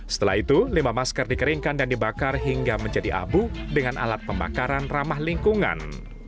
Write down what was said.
setelah itu lima masker dikeringkan dan dibakar hingga menjadi abu dengan alat pembakaran ramah lingkungan